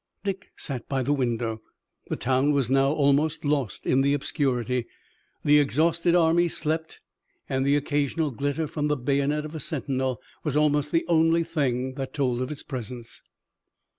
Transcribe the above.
Dick sat by the window. The town was now almost lost in the obscurity. The exhausted army slept, and the occasional glitter from the bayonet of a sentinel was almost the only thing that told of its presence.